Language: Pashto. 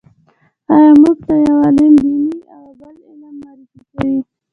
اما موږ ته يو علم دیني او بل عصري معرفي کوي.